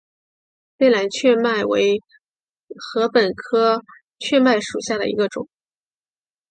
卑南雀麦为禾本科雀麦属下的一个种。